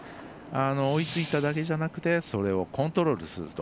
追いついただけじゃなくてそれをコントロールすると。